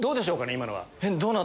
今のは。